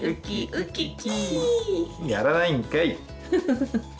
やらないんかい。